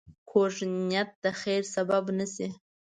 کوږ نیت د خیر سبب نه شي